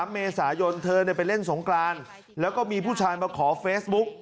เมษายนเธอไปเล่นสงกรานแล้วก็มีผู้ชายมาขอเฟซบุ๊ก